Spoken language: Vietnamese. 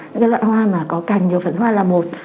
những cái loại hoa mà có cành nhiều phần hoa là một